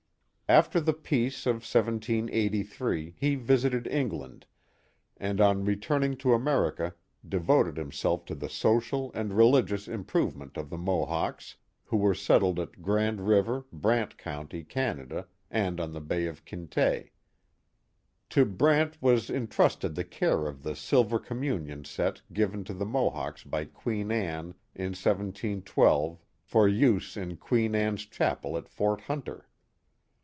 After the peace of 1783 he visited England, and on return ing to America devoted himself to the social and religious im provement of the Mohawks, who were settled at Grand River, Brant County, Canada, and on the Bay of Quinte. To Brant was intrusted the care of the silver communion set given to the Mohawks by Queen Anne in 17 12 for use in Queen Anne's Chapel at Fort Hunter.